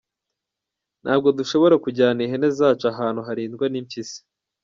Ntabwo dushobora kujyana ihene zacu ahantu harindwa n’impyisi.